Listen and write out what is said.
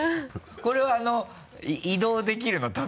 これは移動できるの？